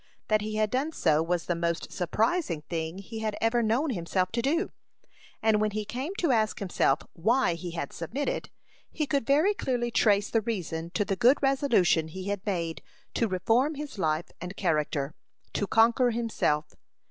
That he had done so was the most surprising thing he had ever known himself to do. And when he came to ask himself why he had submitted, he could very clearly trace the reason to the good resolution he had made to reform his life and character to conquer himself.